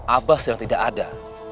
abah sedang tidak ada